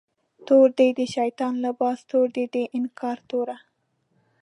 تور دی د شیطان لباس، تور دی د انکار توره